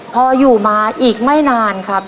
พออยู่มาอีกไม่นานครับ